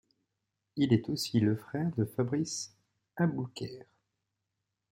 Il est aussi le frère de Fabrice Aboulker.